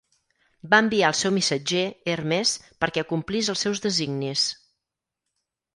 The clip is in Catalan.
Va enviar el seu missatger, Hermes, perquè complís els seus designis.